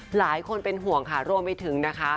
หลายคนเป็นห่วงค่ะรวมไปถึงนะคะ